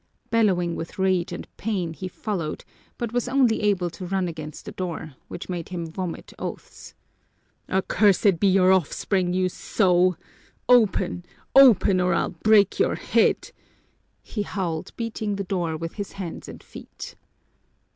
Bellowing with rage and pain, he followed, but was only able to run against the door, which made him vomit oaths. "Accursed be your offspring, you sow! Open, open, or I'll break your head!" he howled, beating the door with his hands and feet.